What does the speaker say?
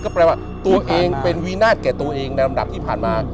แปลว่าตัวเองเป็นวินาศแก่ตัวเองในลำดับที่ผ่านมา